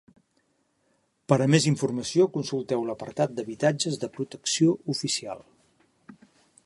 Per a més informació, consulteu l'apartat d'habitatges de protecció oficial.